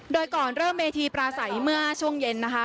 โดยก่อนเริ่มเวทีปราศัยเมื่อช่วงเย็นนะคะ